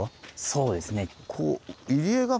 そうですね。